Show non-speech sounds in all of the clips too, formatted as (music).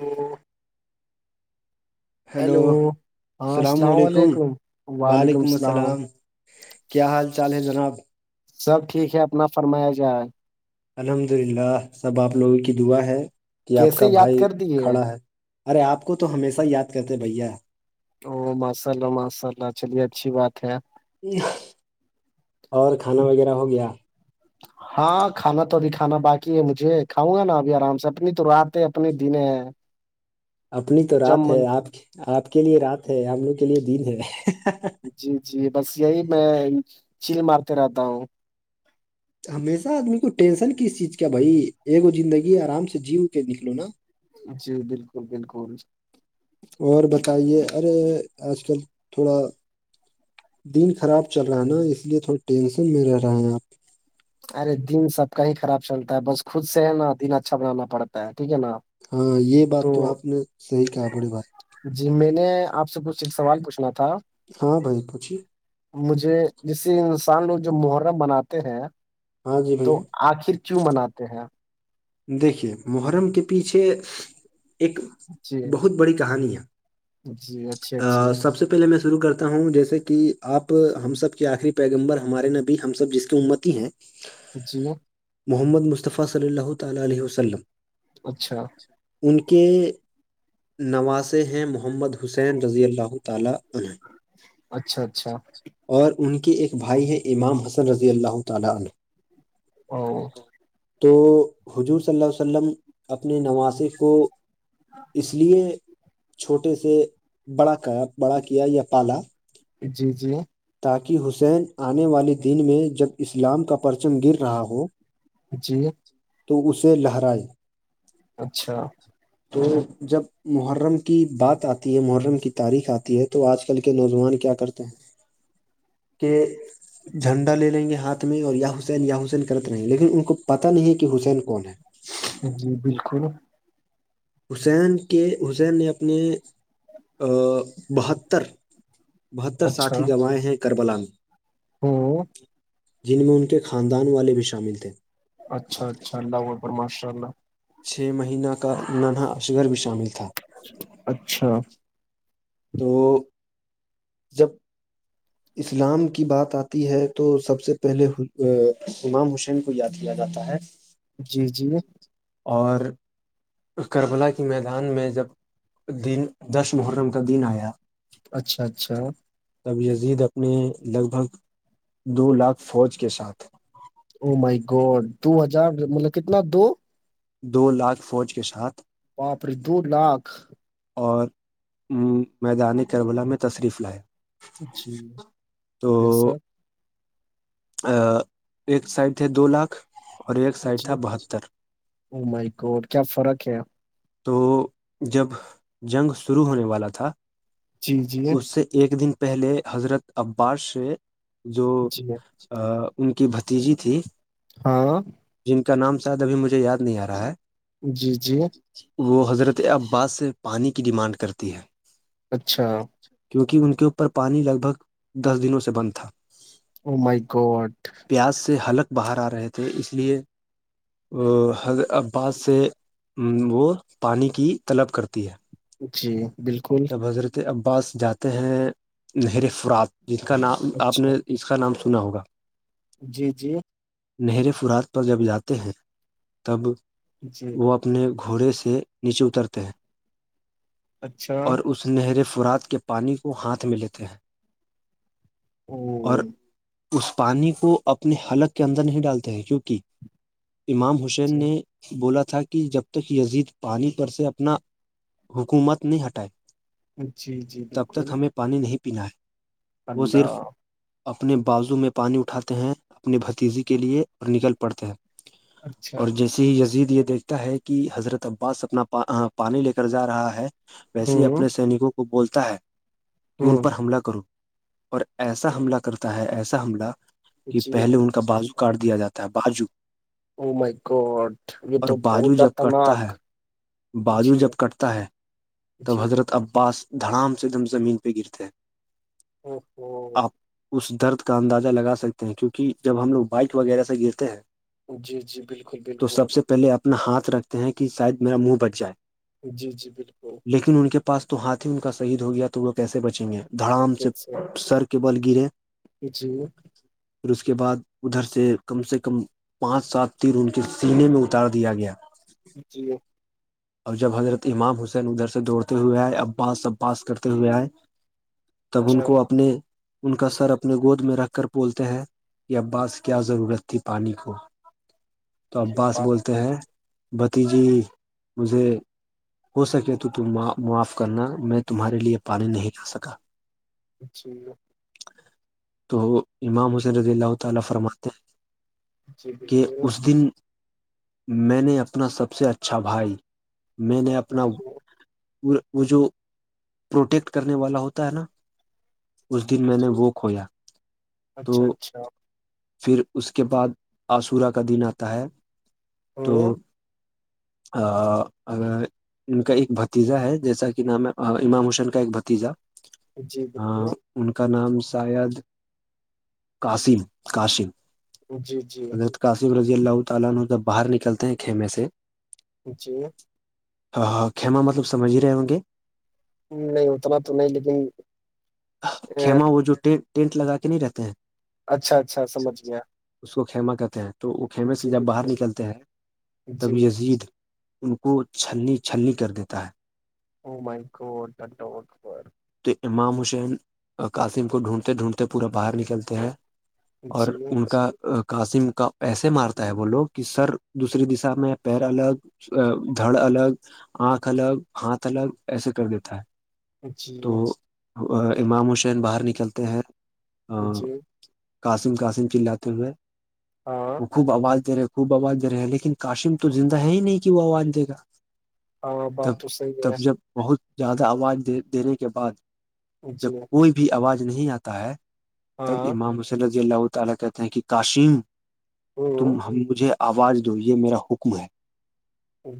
ہوں hello hello السلام علیکم وعلیکم السلام کیا حال چال ہے جناب سب ٹھیک ہے اپنا فرمایا جا ہے الحمد للہ سب آپ لوگوں کی دعا ہے کہ آپ کیسے کا یاد بھائی کر دیے کھڑا ہے ارے آپ کو تو ہمیشہ یاد کرتے بھیا او ماشاء اللہ ماشاء اللہ چلیے اچھی بات ہے اور کھانا وغیرہ ہو گیا ہاں کھانا تو ابھی کھانا باقی ہے مجھے کھاؤں گا نا ابھی آرام سے اپنی تو رات ہے اپنے دن ہے (inaudible) اپنی تو جب رات من ہے آپ آپ کے لیے رات ہے ہم لوگ کے لیے دن ہے جی جی بس یہی میں چیل مارتے رہتا ہوں ہمیشہ آدمی کو ٹینشن کس چیز کیا بھائی ایگو زندگی آرام سے جیو کے نکلو نا جی بالکل بالکل اور بتائیے ارے آج کل تھوڑا دن خراب چل رہا نا اس لیے تھوڑا ٹینشن میں رہے ہیں آپ ارے دن سب کا ہی خراب چلتا ہے بس خود سے ہے نا دن اچھا بنانا پڑتا ہے ٹھیک ہے نا ہاں یہ بات تو آپ نے صحیح کہا بڑی بھائ جی میں نے آپ سے کچھ ایک سوال پوچھنا تھا ہاں بھائی پوچھیے مجھے جسے انسان لوگ جو محرم بناتے ہیں ہاں جی تو بھیا آخر کیوں مناتے ہیں آپ دیکھیے محرم کے پیچھے ایک جی بہت بڑی کہانی ہے جی اچھی اچھی ا سب سے پہلے میں شروع کرتا ہوں جیسے کہ آپ ہم سب کے آخری پیغمبر ہمارے نبی ہم سب جس کی امتی ہیں (inaudible) جی محمد مصطفی صلی اللہ تعالی علیہ وسلم اچھا ان کے نواشے ہیں محمد حسین رضی اللہ تعالی عنہ اچھا اچھا اور ان کے ایک بھائی ہے امام حسن رضی اللہ تعالی عنہ او تو حضور صلی اللہ عل وسلم اپنے نواشے کو اس لیے چھوٹے سے بڑا بڑا کیا یا پالا جی جی تاکہ حسین آنے والے دن میں جب اسلام کا پرچم گر رہا ہو جی تو اسے لہرائی اچھا تو جب محرم کی بات آتی ہے محرم کی تاریخ آتی ہے تو آج کل کے نوجوان کیا کرتے کہ جھنڈا لے لیں گے ہاتھ میں اور یا حسین یا حسین کر تےرہیں گے لن ان کو پتہ نہیں ہے کہ حسین کون ہے جی بالکل حسین کے حسین نے اپنے بہتر بہتر اچھا ساتھی گنوائےیں ہیں کربلامیں ہوں جن میں ان کے خاندان والے بھی شامل تھے اچھا اچھا اللہ اکبر ماشاء اللہ چھ مہینہ کا ننھا اصغر بھی شامل تھا اچھا تو جب اسلام کی بات آتی ہے تو سب سے پہلے امام حسین کو یاد کیا جاتا ہے جی جی اور کربلا کی میدان میں جب دن دش محرم کا دن آیا اچھا اچھا تب زید اپنے لگ بھگ دو لاکھ فوج کے ساتھ او مائی گوڈ دو ہزار مطلب کتنا دو دو لاکھ فوج کے ساتھ باپڑے دو لاکھ اور میدان کربلا میں تشریف لایا جی ٹیک سر ایک سائڈ تھے دو لاکھ اور ایک سائڈ تھا بہتر اائی کو اور کیا فرق ہے تو جب جنگ شروع ہونے والا تھا جی جی اس سے ایک دن پہلے حضرت عباس سے جو جی ان کی بھتیجی تھی ہاں جن کا نام شاید ابھی مجھے یاد نہیں آ رہا ہے جی جی وہ حضرت عباس سے پانی کی ڈیمانڈ کرتی ہے اچھا کیونکہ ان کے اوپر پانی لگ بھگ دس دنوں سے بند تھا او مائی گوڈ پیاز سے حلک باہر آ رہے تھے اس لیے حض ابس سے وہ پانی کی طلب کرتی ہے جی بالکل تو حضرت عباس جاتے ہیں نہر فرات جس کا نام آپ اچھا نے اس اس کا نام سنا ہوگا جی جی نہرے فرات پر جب جاتے ہیں تب جی وہ اپ اپنے گھوڑے سے نیچے اترتے ہیں اچھا اور اسے نہریں فرات کے پانی کو ہاتھ میں لیتے ہیں او اور اس پانی کو اپنے حلق اندر نہیں ڈالتے ہیں کیونکہ امام حسین جی نے بولا تھا کہ جب تک یزید پانی پر سے اپنا حکومت نہیں ہٹائے جی جی تب بالکل تک ہمیں پانی نہیں پینا ہے وہ صرف اللہ اپنے بازو میں پانی اٹھاتے ہیں اپنی بھتیجی کے لیے اور نکل پڑتے ہیں اچھا اور جیس جی زید یہ دیکھتا ہے کہ حضرت عباس اپنا پانی لے کر جا رہا ہے ویسے ہی ہوں اپنے سینکوں کو بولتا ہے کہ ان ہوں پر حملہ کرو اور ایسا حملہ کرتا ہے ایسا حملہ کہ جی پہلے ان کو کا بازو کاٹ دیا جاتا ہے بازو ا مائیکٹ یہ اور تو بہت ددرناک باجو جب کٹتا ہے تب جی حضرت عباس دھڑام سے دم زمین پہ گرتے ہیں اوو آپ اس درد کا اندازہ لگا سکتے ہیں کیونکہ جب ہم لوگ بائک وغیرہ سے گرتے ہیں جی جی بالکل تو بالکل سب سے پہلے اپنا ہاتھ رکھتے ہیں کہ شاید میرا منہ بچ جائے جی جی بالکل لیکن ان کے پاس تو ہاتھ ہی ان کا شہید ہو گیا تو وہ کیسے بچیں گے دڑام سے کیسے سر کے بل گرے جی پھر اس کے بعد ادھر سے کم سے کم پانچ سات تین ان کے سینے میں اتار دیا گیا جی اور جب حضرت امام حسین ادھر سے دوڑتے ہوئے آئے عباس عباس کرتے ہوئے آئے تب ان اچھا کو اپنے ان کا سر اپنے گود میں رکھ کر بولتے ہیں عباس کیا ضرورت تھی پانی کو تو جی عباس بات بولتے ہیں بھتی جی مجھے ہو سکے تو معاف کرنا میں تمہارے لیے پانی نہیں کھا سکا (unintelligible) تو امام حسن رضی اللہ تعالی فرماتے ہیں جی کہ بالکل اس دن میں نے اپنا سب سے اچھا بھائی میں نے اپنا وہ جو پروٹیکٹ کرنے والا ہوتا ہے نا اس دن میں نے جی وہ کھویا تو اچھا اچھا پھر اس کے بعد آسورا کا دن آتا ہے ہوں تو اگر ان کا ایک بت بتیجا ہے جیسا کہ نام ہے امام حسین کا ایک بھتیجا جی بالکل ان کا نام شاید قاسم قسم جی جی کاسک رضی اللہ تعالینہ جب باہر نکلتے ہیں خیمے سے جی ہاں ہاں خیما مطلب سمجھ ہی رہے ہوں گے نہیں اتنا تو نہیں لیکن کما وہ جو ٹینٹ لگا کے نہیں رہتے ہیں اچھا اچھا سمجھ گیا اس کو کھیما کہتے ہیں تو وہ خھیمے سے جی جب باہر بالکل نکلتے ہیں تب جی یزید ان کو چھلنی چھلنی کر دیتا ہے وہ مائکٹو تو امام حسین قاسم کو ڈھونڈتے ڈھونڈتے پورا باہر نکلتے ہیں اور جی ان کا قاسم کا ایسے مارتا ہے وہ لوگ کہ سر دوسری دشا میں پیر الگ دھڑ الگ آنکھ الگ ہاتھ الگ ایسے کر دیتا ہے اچھی تو امام حسین باہر نکلتے ہیں جی قاسم قاسم چلاتے ہوئے ہاں وہ خوب آواز تیرے خوب آواز دے رہے ہیں لیکن کاشی میں تو زندہ ہے ہی نہیں کہ وہ آواز دے گا ہاں تب بات تو صحیح تب جب بہت زیادہ آواز دینے کے بعد ہے جب جی کوئی بھی آواز نہیں آتا ہے ہاں تب امامسلیضی تعالا کہتے ہیں کہ کاشم ہ تم ہم مجھے آواز دو یہ میرا حکم ہے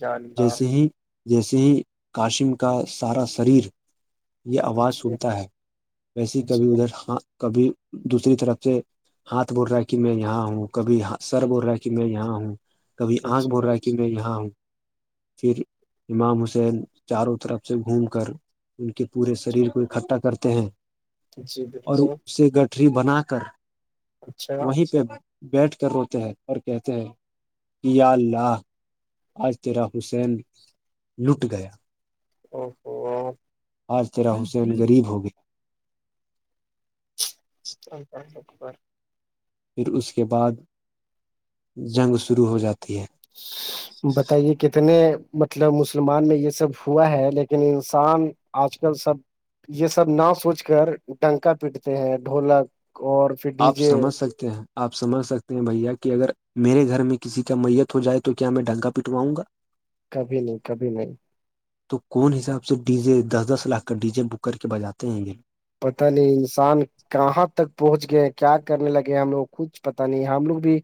جاننا جیسے ہی جیسے ہی کاشم کا سارا شریر یہ آواز جی سنتا ہے ویسے جی کبھی ادھر کبھی دوسری طرف سے ہاتھ بول رہا ہے کہ میں یہاں ہوں کبھی سر بول رہا ہے کہ میں یہاں ہوں کبھی آنکھ بول جی رہا ہے کہ کہ میں یہاں ہوں پھر امام حسین چاروں طرف سے گھوم کر ان کے پورے شریر کو اکٹھا کرتے ہیں جی اور بالکل اسے گٹھری بنا کر اچھا وہیں پہ بیٹھ کر روتے ہیں اور کہتے ہیں کیا آج تیرا حسین لٹ گیا اوو آج ترا حسین غریب ہو گیا (unintelligible) پھر اس کے بعد جنگ شروع ہو جاتی ہے بتائیے کتنے مطلب مسلمان میں یہ سب ہوا ہے لیکن انسان آج کل سب یہ سب نہ سوچ کر ڈنکا پیٹتے ہیں ڈھولک اور پھر ڈی آپ جے سمجھ سکتے آ سجھ سکتے ہیں بھیا کہ اگر میرے گھر میں کسی کا میت ہو جائے تو کیا میں ڈھنگا پٹواؤں گا کبھی نہیں کبھی نہیں تو کون حساب سے ڈی جے دس دس لاکھ کا ڈی جے بک کر کے بجاتے ہیں گےو پتہ نہیں انسان کہاں تک پہنچ گئے ہیں کیا کرنے لگے ہم لوگ کو کچھ پتا نہیں ہم لوگ بھی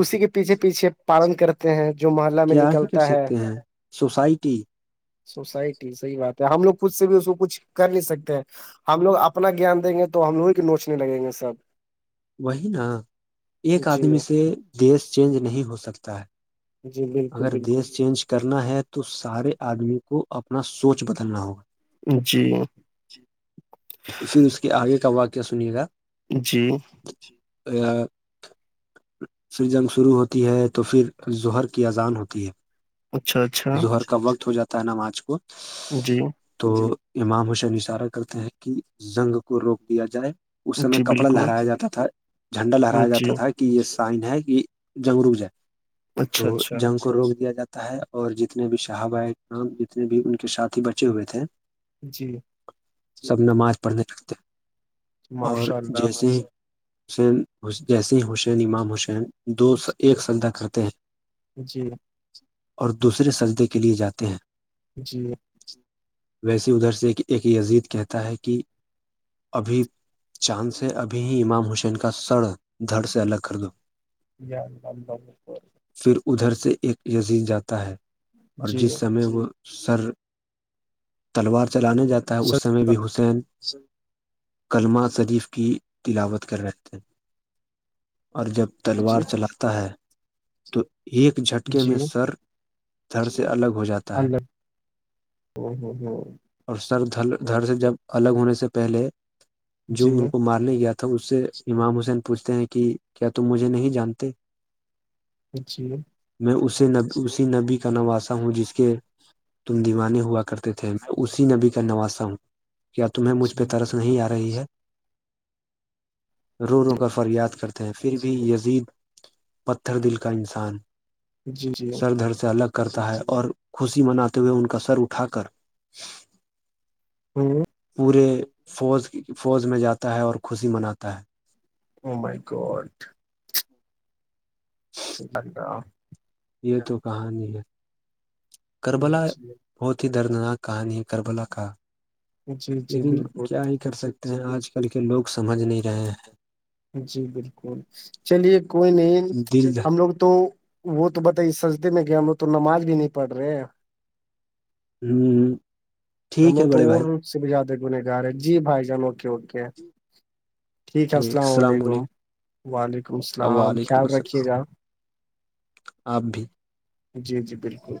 اسی کے پیچھے پیچھے پالن کرتے ہیں جو محلہ میں کیا ہی کر نکلتا ہے سکتے ہیں سوسائٹی سوسائٹی صحیح بات ہے ہم لوگ خود سے بھی اس کو کچھ کر نہیں سکتے ہیں ہم لوگ اپنا گیان دیں گے تو ہم لوگ ہی کے نوچنے لگیں گے سب وہی نا ایک جی آدمی سے دیش چینج نہیں ہو سکتا ہے جی بالکل اگر بالکل دیس چینج کرنا ہے تو تو سارے آدمی کو اپنا سوچ بدلنا ہوگا جی (inaudible) پھر اس کے آگے کا واقع سنیے گا جی ا (inaudible) پر جنگ شروع ہوتی ہے تو پھر ظہر کی اذان ہوتی اچھا اچھا ہے ظہر کا وقت ہو جاتا ہے نا مارچ کو جی تو امام حسین اشارہ کرتے ہیں کہ زنگ کو روک دیا جائے اس سمے جی کپڑا بالکل لہرایا جاتا تھا جھنڈا لہرایا جی جاتا تھا کہ یہ سائن ہے کہ جنگ رک جائے اچھا تو اچھا جنگ کو روک دیا جاتا ہے اور جتنے بھی شہابہام جتنے بھی ان کے ساتھی بچے ہوئے تھے جی سب نماز پڑھنے لگتے ہیں اور ماشاء اللہ جیسے حسین ح جیسے حسین امام حسین دو ایک جی سدہ کہتے ہیں جی اور دوسرے سجدے کے لیے جاتے ہیں جی ویسے ادھر سے ایک یزید کہتا ہے کہ ابھی چاند سے ابھی ہی امام حسین کا سڑ دھڑ سے الگ کر دو جی جام ب ب (unintelligible) پھر ادھر سے ایک یزید جاتا ہے اور جی جس سمے وہ سر تلوار چلانے جاتا ہے اس سمے سچ بھی حسین کلما شریف کی (unintelligible) تلاوت کر رہے تھ ہیں اور جب تلوار جی چلاتا ہے تو ایک جھٹکے میں جی سر تھر سے الگ ہو جاتا ہے الدر ہ ہ ہوں (unintelligible) اور سر دھر سے جب الگ ہونے سے پہلے جو جی ان کو مارنے گیا تھا تو اس سے امام حسین پوچھتے ہیں کہ کیا تم مجھے نہیں جانتے ج جی میں اسے نب اسی نبی کا نواسا ہوں جس کے تم دیوانے ہوا کرتے تھے اسی نبی کا نواسا ہوں کیا تمہیں مجھ پہ جی ترس نہیں آ رہی ہے رو رو کر فریاد کرتے ہیں پھر بھی زید پتھر دل کا انسان جی جی سر دھر سے الگ کرتا ہے اور خوشی مناتے ہوئے ان کا سر اٹھا کر ہوں پورے فوج فوج میں جاتا ہے اور خوشی مناتا ہے ا مائ کوٹ (inaudible) جا (unintelligible) یہ تو کہانی ہے کربلا جی بہت ہی دردناک کہانی کربلا کا جی جی لیکن کیا بالکل یہ کر سکتے ہیں آج کل کے لوگ سمجھ نہیں رہے ہیں جی بالکل چلیے کوئی نہیں ہیں دل ہم لوگ تو وہ تو بتائیے سجتے میں کہ ہم لوگ تو نماز بھی نہیں پڑ رہے ہوں ہ ٹھیک ہے ہمیں تو بڑے اور بھائی سے بھی جاتدے گن گار ہے جی بھائی جان اوکے اوکے ٹھیک ہے السلام علیکم وعلیکم السلام وعلیکم خیال السلام رکھیے گا آپ بھی جی جی بالکل